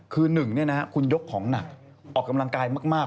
คือหนึ่งนะครับคุณยกของหนักออกกำลังกายมาก